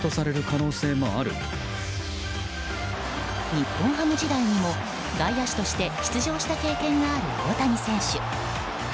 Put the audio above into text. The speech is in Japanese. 日本ハム時代にも外野手として出場した経験がある大谷選手。